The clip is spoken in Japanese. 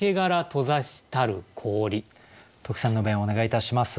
特選の弁をお願いいたします。